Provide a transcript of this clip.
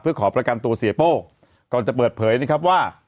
เพื่อขอประกันตัวเสียโป้ก่อนจะเปิดเผยนะครับว่า